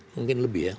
mungkin lebih ya